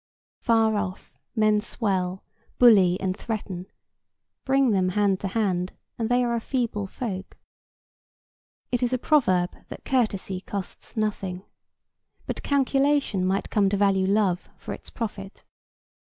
Far off, men swell, bully and threaten; bring them hand to hand, and they are a feeble folk. It is a proverb that 'courtesy costs nothing'; but calculation might come to value love for its profit.